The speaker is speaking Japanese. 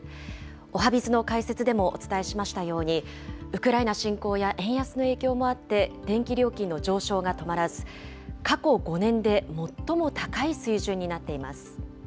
おはＢｉｚの解説でもお伝えしましたように、ウクライナ侵攻や円安の影響もあって、電気料金の上昇が止まらず、過去５年で最も高い水準になっています。